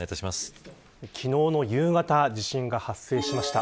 昨日の夕方地震が発生しました。